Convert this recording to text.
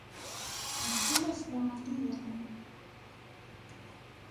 mchakato wa kukiendeleza polepo Kiswahili hakikupewa nafasi